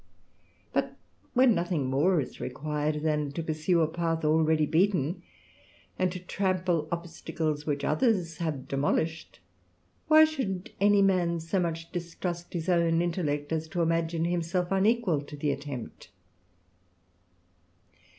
*^^t when nothing more is required, than to pursue a path ^^^eady beaten, and to trample obstacles which others have ^^molished, why should any man so much distrust his own ^tellect as to imagine himself unequal to the attempt